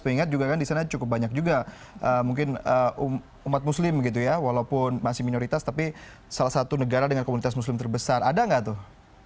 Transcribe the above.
ingat juga kan di sana cukup banyak juga mungkin umat muslim gitu ya walaupun masih minoritas tapi salah satu negara dengan komunitas muslim terbesar ada nggak tuh